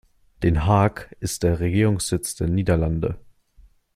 Den Haag ist der Regierungssitz der Niederlande.